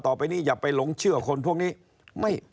ต่อไปนี้อย่าไปหลงเชื่อคนพวกนี้